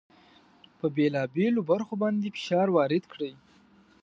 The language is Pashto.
په بېلو بېلو برخو باندې فشار وارد کړئ.